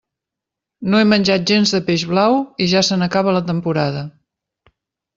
No he menjat gens de peix blau i ja se n'acaba la temporada.